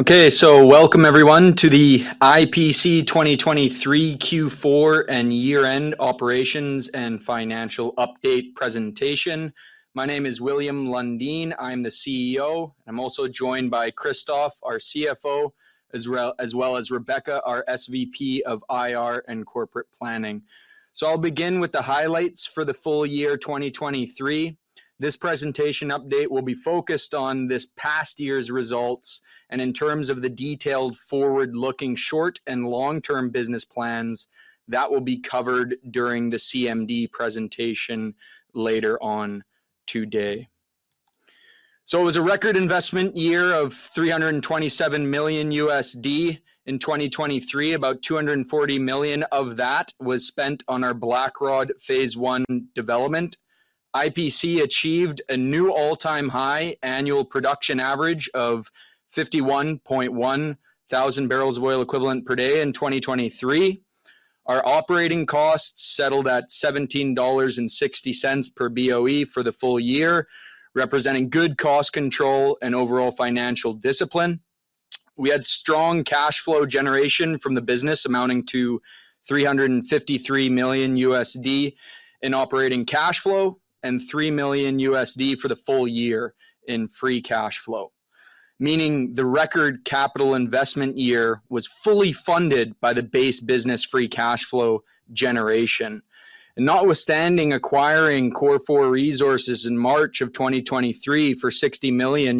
Okay, so welcome everyone to the IPC 2023 Q4 and year-end operations and financial update presentation. My name is William Lundin. I'm the CEO. I'm also joined by Christophe, our CFO, as well, as well as Rebecca, our SVP of IR and Corporate Planning. So I'll begin with the highlights for the full year 2023. This presentation update will be focused on this past year's results, and in terms of the detailed forward-looking, short and long-term business plans, that will be covered during the CMD presentation later on today. So it was a record investment year of $327 million in 2023. About $240 million of that was spent on our Blackrod Phase One development. IPC achieved a new all-time high annual production average of 51.1 thousand barrels of oil equivalent per day in 2023. Our operating costs settled at $17.60 per BOE for the full year, representing good cost control and overall financial discipline. We had strong cash flow generation from the business, amounting to $353 million in operating cash flow and $3 million for the full year in free cash flow, meaning the record capital investment year was fully funded by the base business free cash flow generation. Notwithstanding acquiring Cor4 Oil Corp. in March of 2023 for $60 million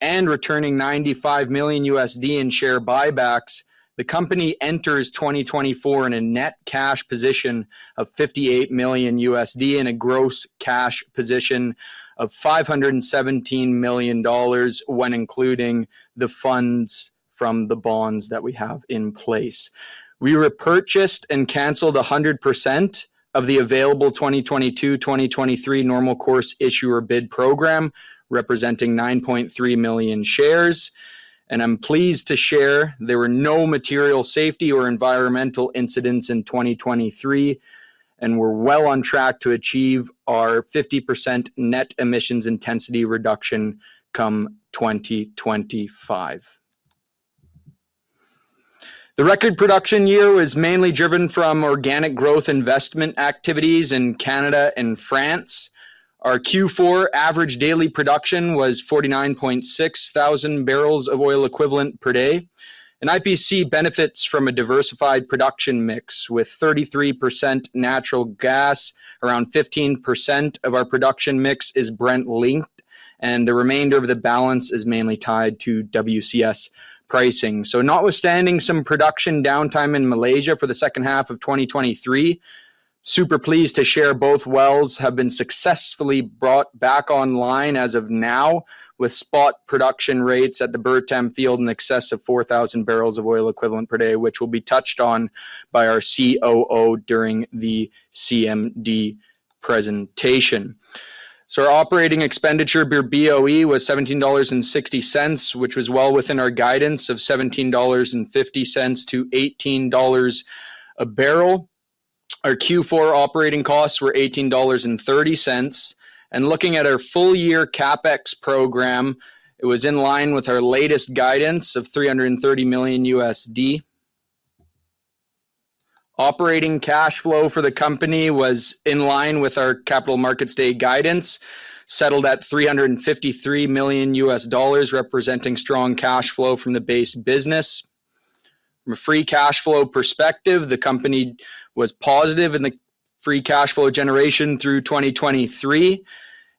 and returning $95 million in share buybacks, the company enters 2024 in a net cash position of $58 million and a gross cash position of $517 million when including the funds from the bonds that we have in place. We repurchased and canceled 100% of the available 2022-2023 Normal Course Issuer Bid program, representing 9.3 million shares. I'm pleased to share there were no material safety or environmental incidents in 2023, and we're well on track to achieve our 50% net emissions intensity reduction come 2025. The record production year is mainly driven from organic growth investment activities in Canada and France. Our Q4 average daily production was 49.6 thousand barrels of oil equivalent per day, and IPC benefits from a diversified production mix, with 33% natural gas. Around 15% of our production mix is Brent linked, and the remainder of the balance is mainly tied to WCS pricing. So notwithstanding some production downtime in Malaysia for the second half of 2023, super pleased to share both wells have been successfully brought back online as of now, with spot production rates at the Bertam Field in excess of 4,000 barrels of oil equivalent per day, which will be touched on by our COO during the CMD presentation. So our operating expenditure per BOE was $17.60, which was well within our guidance of $17.50-$18 a barrel. Our Q4 operating costs were $18.30, and looking at our full year CapEx program, it was in line with our latest guidance of $330 million. Operating cash flow for the company was in line with our Capital Markets Day guidance, settled at $353 million, representing strong cash flow from the base business. From a free cash flow perspective, the company was positive in the free cash flow generation through 2023,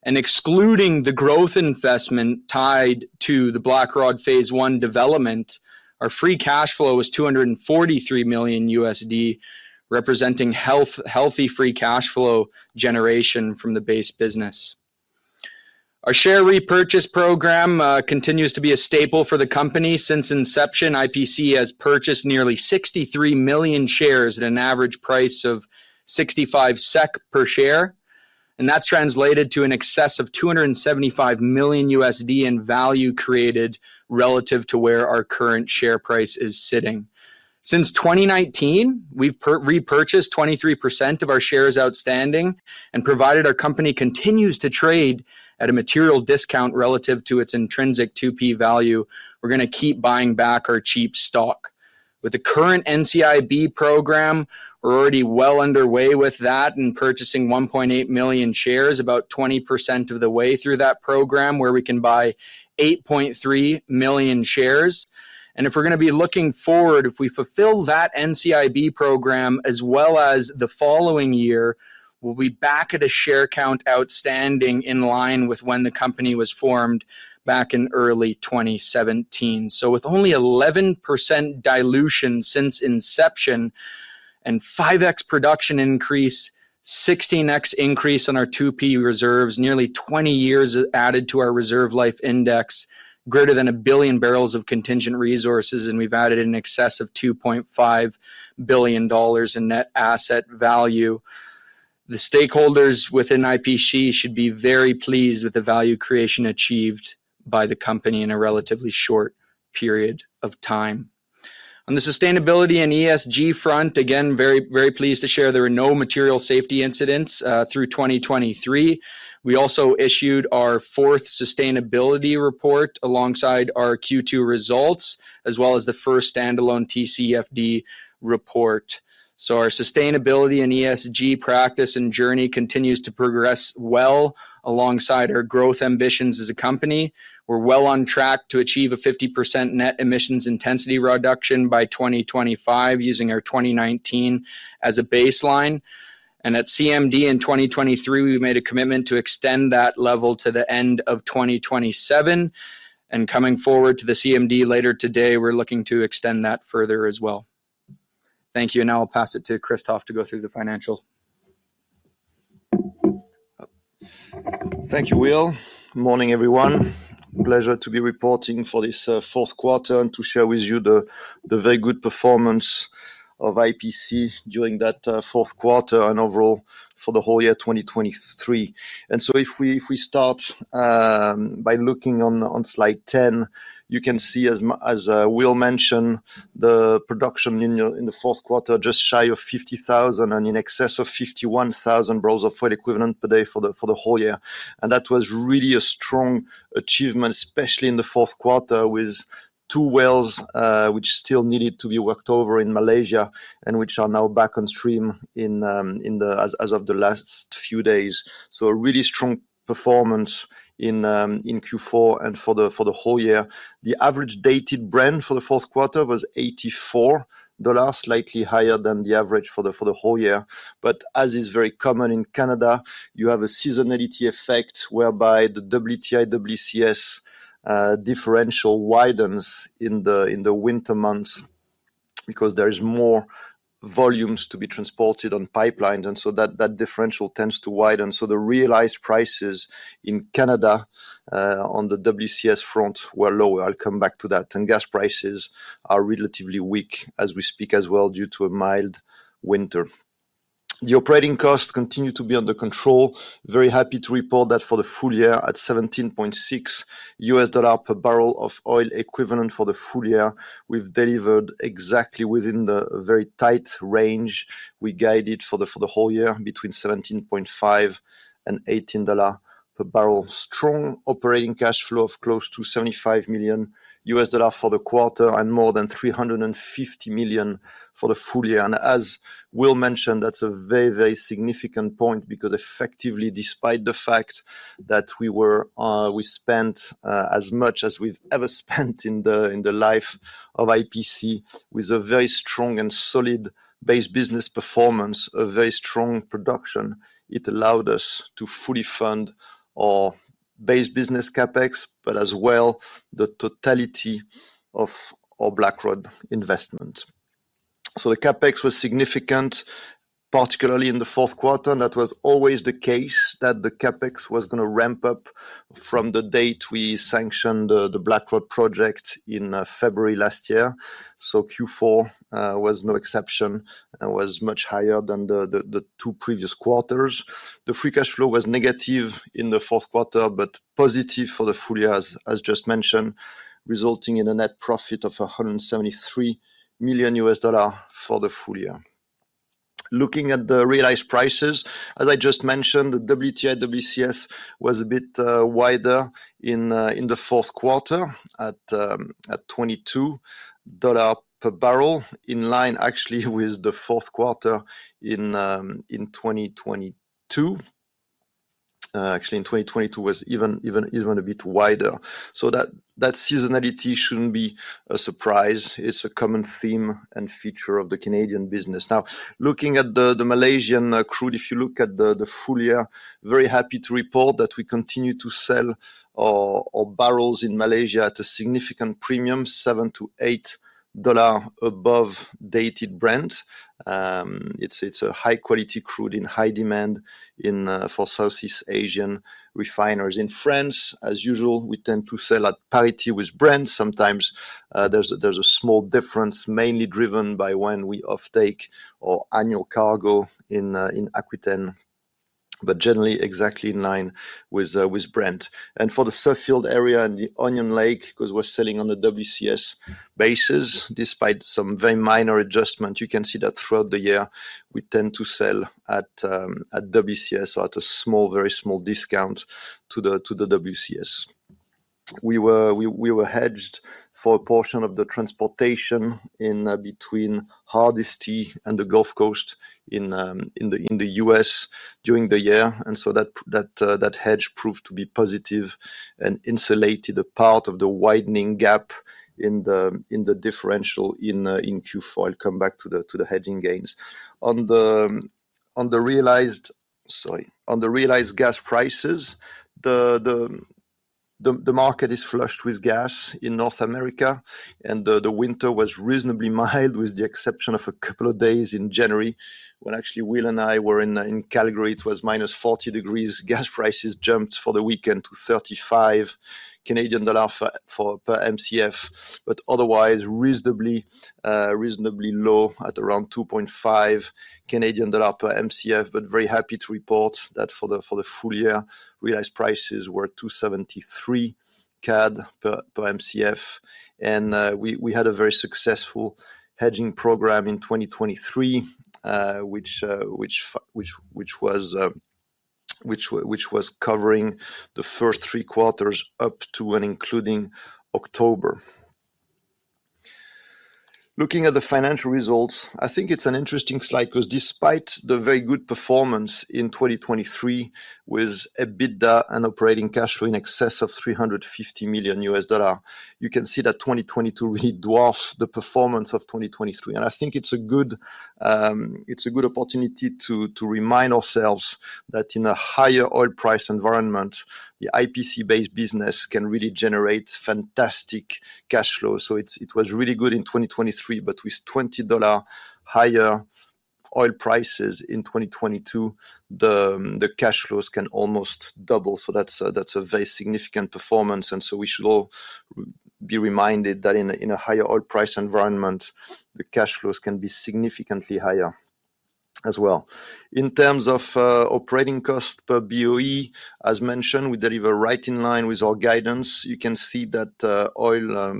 and excluding the growth investment tied to the Blackrod Phase 1 development, our free cash flow was $243 million, representing healthy free cash flow generation from the base business. Our share repurchase program continues to be a staple for the company. Since inception, IPC has purchased nearly 63 million shares at an average price of 65 cents per share, and that's translated to an excess of $275 million in value created relative to where our current share price is sitting. Since 2019, we've repurchased 23% of our shares outstanding, and provided our company continues to trade at a material discount relative to its intrinsic 2P value, we're gonna keep buying back our cheap stock. With the current NCIB program, we're already well underway with that and purchasing 1.8 million shares, about 20% of the way through that program, where we can buy 8.3 million shares. And if we're gonna be looking forward, if we fulfill that NCIB program as well as the following year, we'll be back at a share count outstanding in line with when the company was formed back in early 2017. So with only 11% dilution since inception and 5x production increase, 16x increase on our 2P reserves, nearly 20 years added to our reserve life index, greater than 1 billion barrels of contingent resources, and we've added in excess of $2.5 billion in net asset value. The stakeholders within IPC should be very pleased with the value creation achieved by the company in a relatively short period of time. On the sustainability and ESG front, again, very, very pleased to share there were no material safety incidents through 2023. We also issued our fourth sustainability report alongside our Q2 results, as well as the first standalone TCFD report. So our sustainability and ESG practice and journey continues to progress well alongside our growth ambitions as a company. We're well on track to achieve a 50% net emissions intensity reduction by 2025, using our 2019 as a baseline, and at CMD in 2023, we made a commitment to extend that level to the end of 2027, and coming forward to the CMD later today, we're looking to extend that further as well. Thank you, and now I'll pass it to Christophe to go through the financial. Thank you, Will. Morning, everyone. Pleasure to be reporting for this fourth quarter and to share with you the very good performance of IPC during that fourth quarter and overall for the whole year, 2023. So if we start by looking on slide 10, you can see, as Will mentioned, the production in the fourth quarter, just shy of 50,000 and in excess of 51,000 barrels of oil equivalent per day for the whole year. And that was really a strong achievement, especially in the fourth quarter, with two wells which still needed to be worked over in Malaysia and which are now back on stream as of the last few days. So a really strong performance in Q4 and for the whole year. The average Dated Brent for the fourth quarter was $84, slightly higher than the average for the whole year. But as is very common in Canada, you have a seasonality effect whereby the WTI, WCS differential widens in the winter months because there is more volumes to be transported on pipelines, and so that differential tends to widen. So the realized prices in Canada, on the WCS front, were lower. I'll come back to that. And gas prices are relatively weak as we speak as well, due to a mild winter. The operating costs continue to be under control. Very happy to report that for the full year, at $17.6 per barrel of oil equivalent for the full year, we've delivered exactly within the very tight range we guided for the, for the whole year, between $17.5 and $18 per barrel. Strong operating cash flow of close to $75 million for the quarter, and more than $350 million for the full year. And as Will mentioned, that's a very, very significant point because effectively, despite the fact that we were, we spent, as much as we've ever spent in the, in the life of IPC, with a very strong and solid base business performance, a very strong production, it allowed us to fully fund our base business CapEx, but as well, the totality of our Blackrod investment. So the CapEx was significant, particularly in the fourth quarter, and that was always the case, that the CapEx was gonna ramp up from the date we sanctioned the Blackrod project in February last year. So Q4 was no exception and was much higher than the two previous quarters. The free cash flow was negative in the fourth quarter, but positive for the full year, as just mentioned, resulting in a net profit of $173 million for the full year. Looking at the realized prices, as I just mentioned, the WTI, WCS was a bit wider in the fourth quarter at $22 per barrel, in line actually with the fourth quarter in 2022. Actually, in 2022 was even a bit wider. So that seasonality shouldn't be a surprise. It's a common theme and feature of the Canadian business. Now, looking at the Malaysian crude, if you look at the full year, very happy to report that we continue to sell our barrels in Malaysia at a significant premium, $7-$8 above Dated Brent. It's a high-quality crude in high demand for Southeast Asian refiners. In France, as usual, we tend to sell at parity with Brent. Sometimes, there's a small difference, mainly driven by when we offtake our annual cargo in Aquitaine, but generally exactly in line with Brent. And for the Suffield field area and the Onion Lake, because we're selling on a WCS basis, despite some very minor adjustments, you can see that throughout the year, we tend to sell at WCS or at a small, very small discount to the WCS. We were hedged for a portion of the transportation between Hardisty and the Gulf Coast in the U.S. during the year, and so that hedge proved to be positive and insulated a part of the widening gap in the differential in Q4. I'll come back to the hedging gains. On the realized, sorry. On the realized gas prices, the market is flushed with gas in North America, and the winter was reasonably mild, with the exception of a couple of days in January, when actually Will and I were in Calgary. It was -40 degrees. Gas prices jumped for the weekend to 35 Canadian dollar per MCF, but otherwise reasonably low, at around 2.5 Canadian dollar per MCF. But very happy to report that for the full year, realized prices were 2.73 CAD per MCF, and we had a very successful hedging program in 2023, which was covering the first three quarters up to and including October. Looking at the financial results, I think it's an interesting slide, 'cause despite the very good performance in 2023 with EBITDA and operating cash flow in excess of $350 million, you can see that 2022 really dwarfs the performance of 2023. I think it's a good opportunity to remind ourselves that in a higher oil price environment, the IPC-based business can really generate fantastic cash flow. So it was really good in 2023, but with $20 higher oil prices in 2022, the cash flows can almost double. So that's a very significant performance, and so we should all be reminded that in a higher oil price environment, the cash flows can be significantly higher as well. In terms of operating cost per BOE, as mentioned, we deliver right in line with our guidance. You can see that oil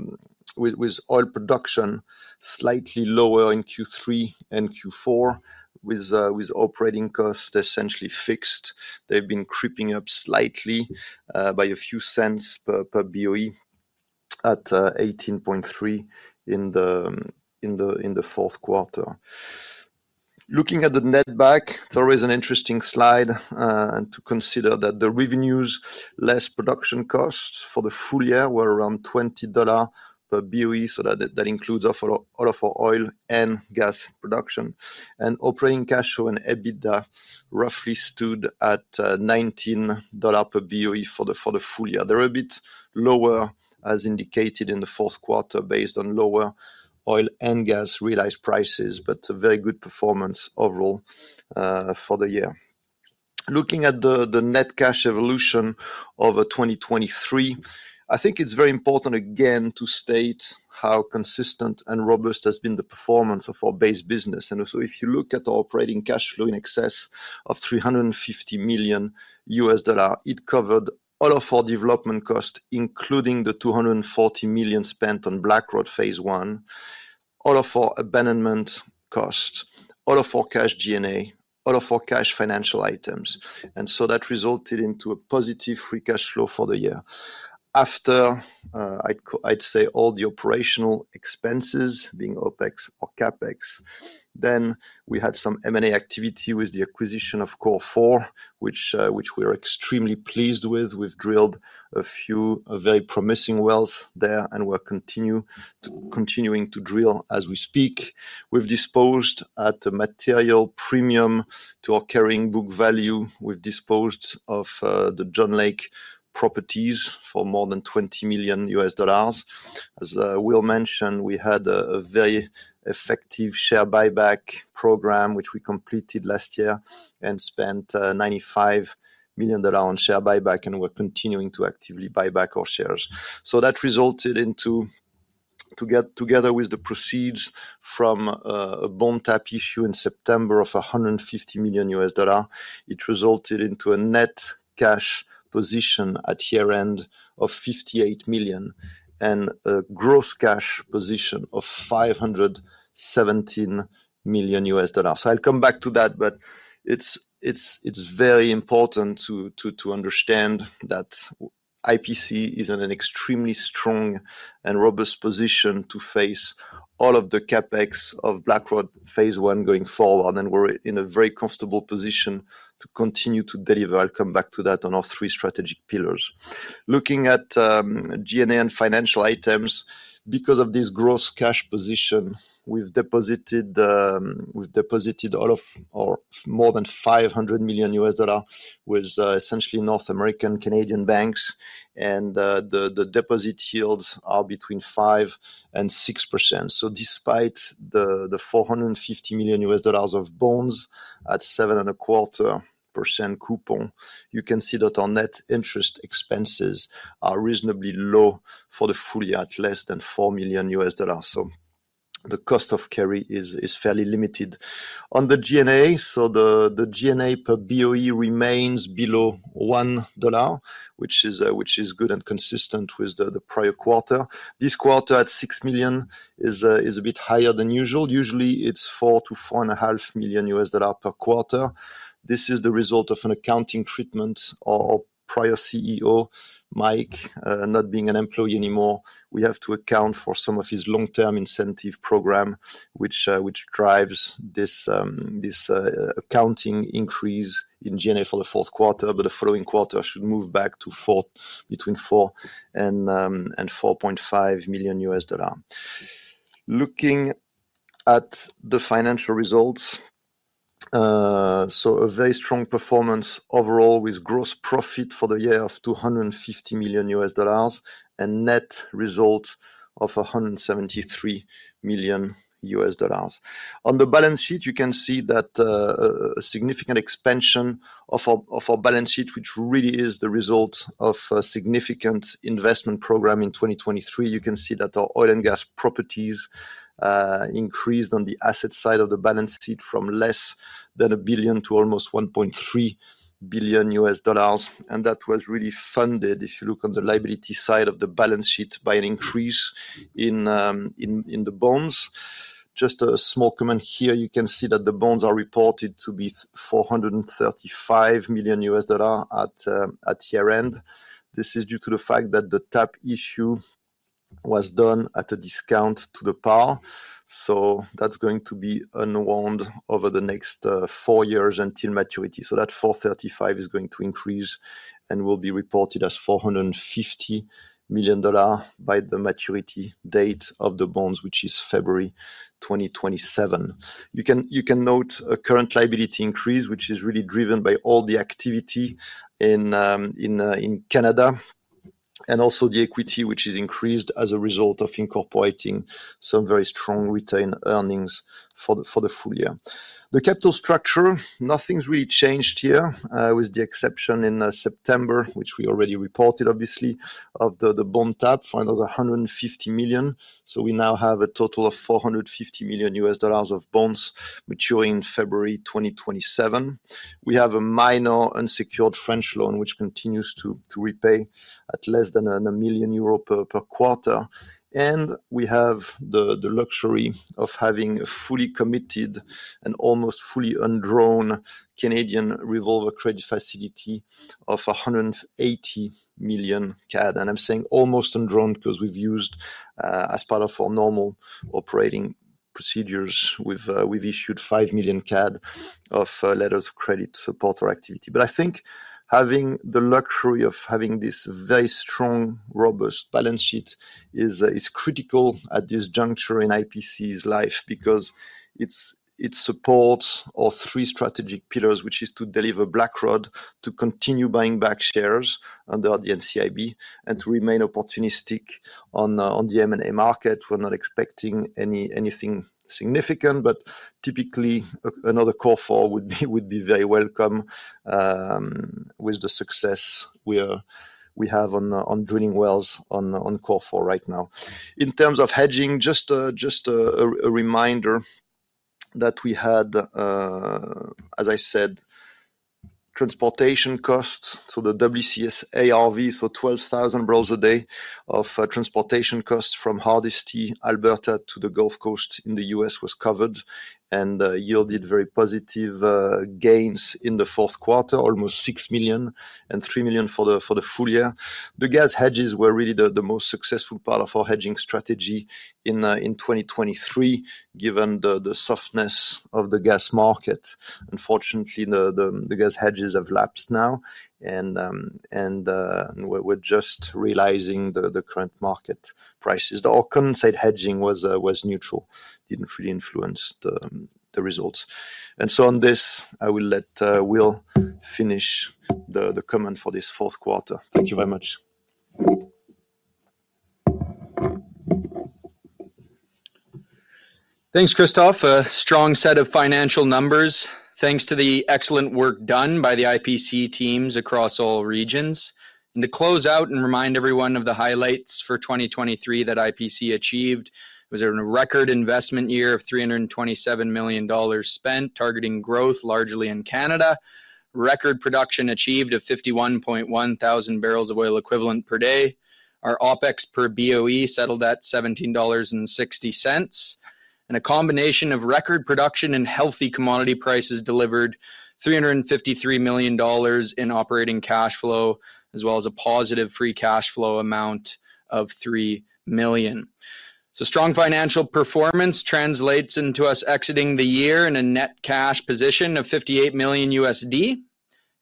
production slightly lower in Q3 and Q4, with operating costs essentially fixed. They've been creeping up slightly by a few cents per BOE at 18.3 in the fourth quarter. Looking at the netback, it's always an interesting slide, and to consider that the revenues less production costs for the full year were around $20 per BOE, so that includes all of our oil and gas production. Operating cash flow and EBITDA roughly stood at $19 per BOE for the full year. They're a bit lower, as indicated in the fourth quarter, based on lower oil and gas realized prices, but a very good performance overall, for the year. Looking at the net cash evolution over 2023, I think it's very important again to state how consistent and robust has been the performance of our base business. And so if you look at our operating cash flow in excess of $350 million, it covered all of our development costs, including the $240 million spent on Blackrod Phase 1, all of our abandonment costs, all of our cash G&A, all of our cash financial items, and so that resulted into a positive free cash flow for the year. After, I'd say, all the operational expenses, being OpEx or CapEx, then we had some M&A activity with the acquisition of Cor4, which we are extremely pleased with. We've drilled a few very promising wells there, and we're continuing to drill as we speak. We've disposed at a material premium to our carrying book value. We've disposed of the John Lake properties for more than $20 million. As Will mentioned, we had a very effective share buyback program, which we completed last year and spent $95 million on share buyback, and we're continuing to actively buy back our shares. So that resulted in, together with the proceeds from a bond tap issue in September of $150 million. It resulted into a net cash position at year-end of $58 million and a gross cash position of $517 million. So I'll come back to that, but it's very important to understand that IPC is in an extremely strong and robust position to face all of the CapEx of Blackrod Phase 1 going forward, and we're in a very comfortable position to continue to deliver. I'll come back to that on our three strategic pillars. Looking at G&A and financial items, because of this gross cash position, we've deposited all of our more than $500 million with essentially North American, Canadian banks, and the deposit yields are between 5% and 6%. So despite the 450 million US dollars of bonds at 7.25% coupon, you can see that our net interest expenses are reasonably low for the full year, at less than $4 million. So the cost of carry is fairly limited. On the G&A, so the G&A per BOE remains below $1, which is good and consistent with the prior quarter. This quarter, at $6 million, is a bit higher than usual. Usually, it's $4 million-$4.5 million per quarter. This is the result of an accounting treatment. Our prior CEO, Mike, not being an employee anymore, we have to account for some of his long-term incentive program, which drives this accounting increase in G&A for the fourth quarter, but the following quarter should move back to between $4 million and $4.5 million. Looking at the financial results, a very strong performance overall, with gross profit for the year of $250 million, and net results of $173 million. On the balance sheet, you can see that a significant expansion of our balance sheet, which really is the result of a significant investment program in 2023. You can see that our oil and gas properties increased on the asset side of the balance sheet from less than $1 billion to almost $1.3 billion, and that was really funded, if you look on the liability side of the balance sheet, by an increase in the bonds. Just a small comment here, you can see that the bonds are reported to be $435 million at year-end. This is due to the fact that the tap issue was done at a discount to the par, so that's going to be unwound over the next 4 years until maturity. So that $435 million is going to increase and will be reported as $450 million by the maturity date of the bonds, which is February 2027. You can, you can note a current liability increase, which is really driven by all the activity in Canada, and also the equity, which is increased as a result of incorporating some very strong retained earnings for the full year. The capital structure, nothing's really changed here, with the exception in September, which we already reported, obviously, of the bond tap for another $150 million. So we now have a total of $450 million of bonds maturing February 2027. We have a minor unsecured French loan, which continues to repay at less than 1 million euro per quarter. And we have the luxury of having a fully committed and almost fully undrawn Canadian revolver credit facility of 180 million CAD. I'm saying almost undrawn because we've used, as part of our normal operating procedures, we've issued 5 million of letters of credit to support our activity. But I think having the luxury of having this very strong, robust balance sheet is critical at this juncture in IPC's life because it supports all three strategic pillars, which is to deliver Blackrod, to continue buying back shares under the NCIB, and to remain opportunistic on the M&A market. We're not expecting anything significant, but typically, another Cor4 would be very welcome, with the success we have on drilling wells on Cor4 right now. In terms of hedging, just a reminder that we had, as I said, transportation costs, so the WCS ARV, so 12,000 barrels a day of transportation costs from Hardisty, Alberta, to the Gulf Coast in the U.S. was covered and yielded very positive gains in the fourth quarter, almost $6 million, and $3 million for the full year. The gas hedges were really the most successful part of our hedging strategy in 2023, given the softness of the gas market. Unfortunately, the gas hedges have lapsed now, and we're just realizing the current market prices. Our condensate hedging was neutral, didn't really influence the results. So on this, I will let Will finish the comment for this fourth quarter. Thank you very much. Thanks, Christophe. A strong set of financial numbers, thanks to the excellent work done by the IPC teams across all regions. And to close out and remind everyone of the highlights for 2023 that IPC achieved, it was a record investment year of $327 million spent, targeting growth largely in Canada. Record production achieved of 51.1 thousand barrels of oil equivalent per day. Our OpEx per BOE settled at $17.60. And a combination of record production and healthy commodity prices delivered $353 million in operating cash flow, as well as a positive free cash flow amount of $3 million. So strong financial performance translates into us exiting the year in a net cash position of $58 million.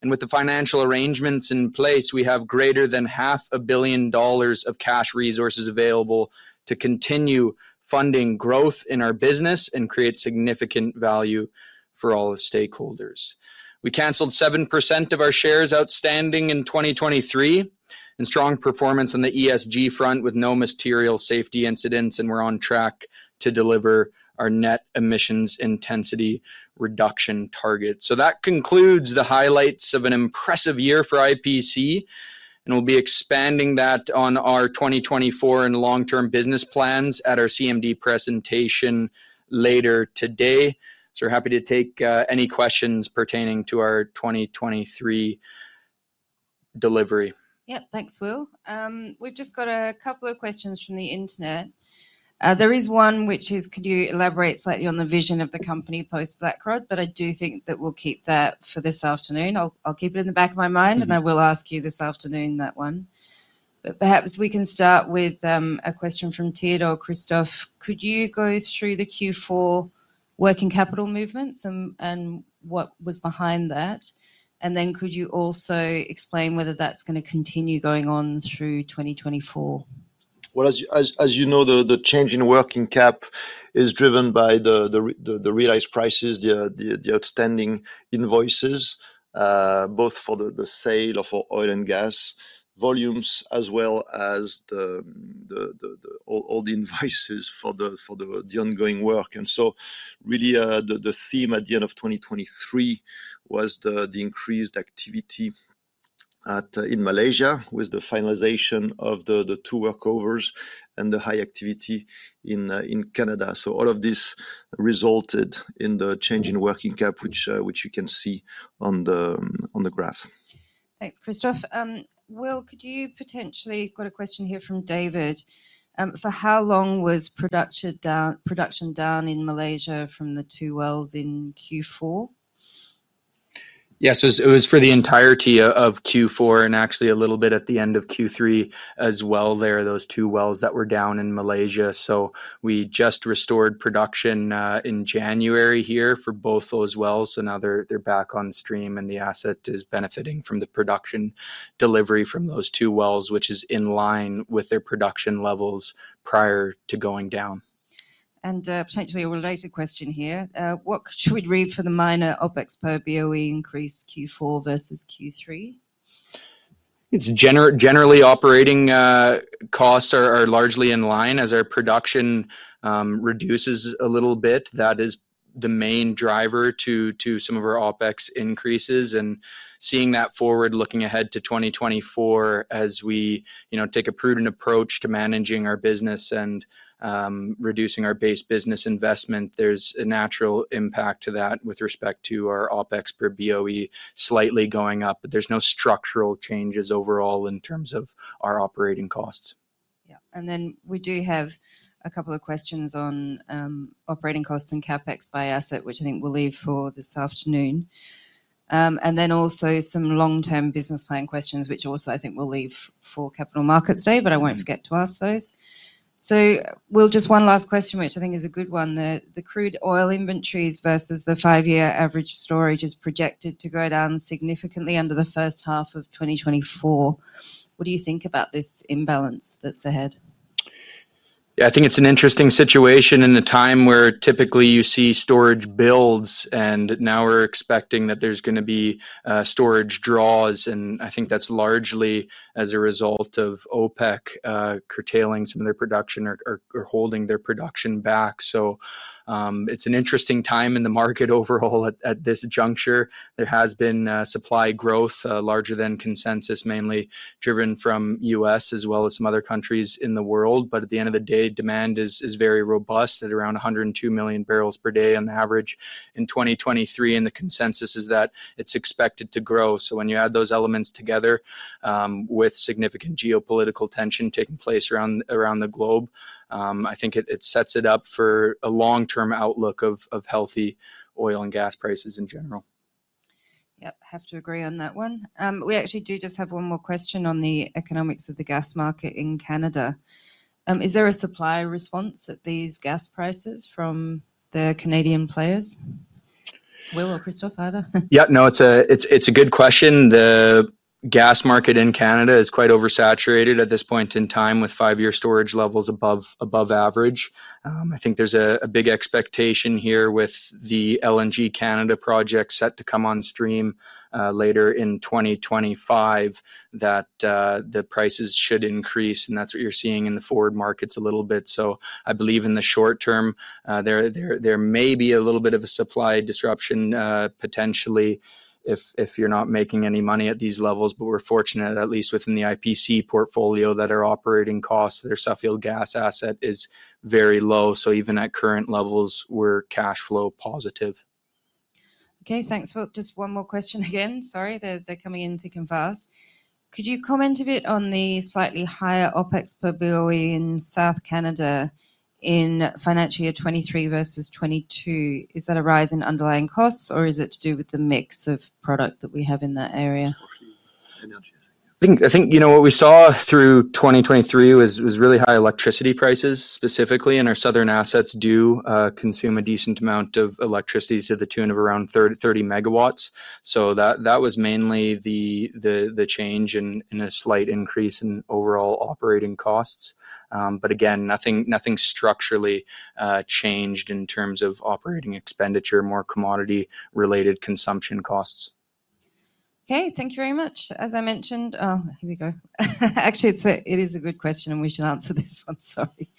With the financial arrangements in place, we have greater than $500 million of cash resources available to continue funding growth in our business and create significant value for all the stakeholders. We canceled 7% of our shares outstanding in 2023, and strong performance on the ESG front, with no material safety incidents, and we're on track to deliver our net emissions intensity reduction target. That concludes the highlights of an impressive year for IPC, and we'll be expanding that on our 2024 and long-term business plans at our CMD presentation later today. We're happy to take any questions pertaining to our 2023 delivery. Yeah. Thanks, Will. We've just got a couple of questions from the internet. There is one which is, "Could you elaborate slightly on the vision of the company post-Blackrod?" But I do think that we'll keep that for this afternoon. I'll keep it in the back of my mind, and I will ask you this afternoon that one. But perhaps we can start with a question from Theodore, Christophe: "Could you go through the Q4 working capital movements and what was behind that? And then could you also explain whether that's gonna continue going on through 2024?" Well, as you, as you know, the change in working cap is driven by the realized prices, the outstanding invoices, both for the sale of our oil and gas volumes, as well as all the invoices for the ongoing work. So really, the theme at the end of 2023 was the increased activity in Malaysia, with the finalization of the two workovers and the high activity in Canada. So all of this resulted in the change in working cap, which you can see on the graph. Thanks, Christophe. Will, got a question here from David. For how long was production down, production down in Malaysia from the two wells in Q4? Yeah, so it was for the entirety of Q4, and actually a little bit at the end of Q3 as well there, those two wells that were down in Malaysia. So we just restored production in January here for both those wells, so now they're back on stream, and the asset is benefiting from the production delivery from those two wells, which is in line with their production levels prior to going down. Potentially a related question here. What should we read for the minor OpEx per BOE increase Q4 versus Q3? It's generally operating costs are largely in line as our production reduces a little bit. That is the main driver to some of our OpEx increases. And seeing that forward, looking ahead to 2024, as we, you know, take a prudent approach to managing our business and reducing our base business investment, there's a natural impact to that with respect to our OpEx per BOE slightly going up. But there's no structural changes overall in terms of our operating costs. Yeah. Then we do have a couple of questions on operating costs and CapEx by asset, which I think we'll leave for this afternoon. And then also some long-term business plan questions, which also I think we'll leave for Capital Markets Day, but I won't forget to ask those. Will, just one last question, which I think is a good one. The crude oil inventories versus the five-year average storage is projected to go down significantly under the first half of 2024. What do you think about this imbalance that's ahead? Yeah, I think it's an interesting situation in a time where typically you see storage builds, and now we're expecting that there's gonna be storage draws, and I think that's largely as a result of OPEC curtailing some of their production or holding their production back. So, it's an interesting time in the market overall at this juncture. There has been supply growth larger than consensus, mainly driven from U.S. as well as some other countries in the world. But at the end of the day, demand is very robust, at around 102 million barrels per day on average in 2023, and the consensus is that it's expected to grow. So when you add those elements together, with significant geopolitical tension taking place around the globe, I think it sets it up for a long-term outlook of healthy oil and gas prices in general. Yep, have to agree on that one. We actually do just have one more question on the economics of the gas market in Canada. Is there a supply response at these gas prices from the Canadian players? Will or Christophe, either. Yeah, no, it's a good question. The gas market in Canada is quite oversaturated at this point in time, with five-year storage levels above average. I think there's a big expectation here with the LNG Canada project set to come on stream later in 2025, that the prices should increase, and that's what you're seeing in the forward markets a little bit. So I believe in the short term, there may be a little bit of a supply disruption potentially, if you're not making any money at these levels. But we're fortunate, at least within the IPC portfolio, that our operating costs, their Suffield gas asset is very low, so even at current levels, we're cash flow positive. Okay, thanks, Will. Just one more question again. Sorry, they're, they're coming in thick and fast. Could you comment a bit on the slightly higher OpEx per BOE in southern Canada in financial year 2023 versus 2022? Is that a rise in underlying costs, or is it to do with the mix of product that we have in that area? Energy. I think, you know, what we saw through 2023 was really high electricity prices specifically, and our southern assets do consume a decent amount of electricity to the tune of around 30 megawatts. So that was mainly the change and a slight increase in overall operating costs. But again, nothing structurally changed in terms of operating expenditure, more commodity-related consumption costs. Okay, thank you very much. As I mentioned, actually, it's a, it is a good question, and we should answer this one. Sorry.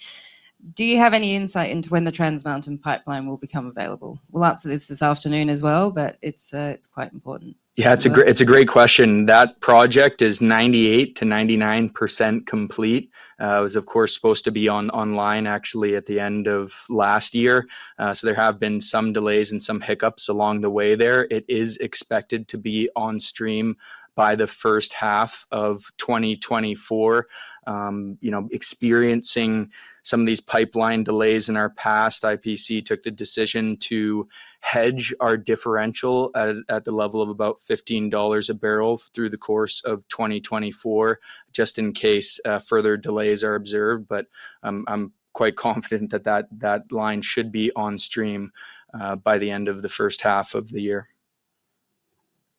Do you have any insight into when the Trans Mountain pipeline will become available? We'll answer this this afternoon as well, but it's, it's quite important. Yeah, it's a great, it's a great question. That project is 98%-99% complete. It was, of course, supposed to be online actually at the end of last year, so there have been some delays and some hiccups along the way there. It is expected to be on stream by the first half of 2024. You know, experiencing some of these pipeline delays in our past, IPC took the decision to hedge our differential at the level of about $15 a barrel through the course of 2024, just in case further delays are observed. But I'm quite confident that that line should be on stream by the end of the first half of the year.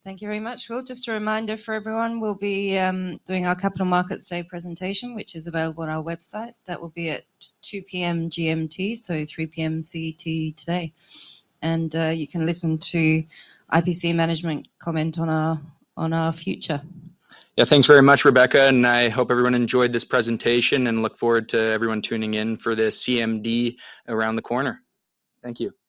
Thank you very much, Will. Just a reminder for everyone, we'll be doing our Capital Markets Day presentation, which is available on our website. That will be at 2:00 P.M. GMT, so 3:00 P.M. CET today. And you can listen to IPC management comment on our future. Yeah. Thanks very much, Rebecca, and I hope everyone enjoyed this presentation and look forward to everyone tuning in for the CMD around the corner. Thank you.